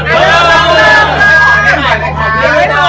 ขอบคุณค่ะ